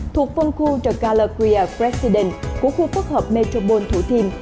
thuộc phân khu the gallagher president của khu phức hợp metropole thủ thiêm